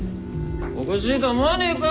おかしいと思わねえか？